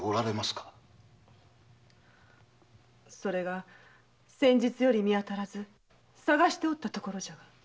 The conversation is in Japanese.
それが先日より見当たらず探しておったところじゃ。